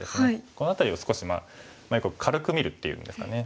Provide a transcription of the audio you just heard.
この辺りを少し軽く見るっていうんですかね。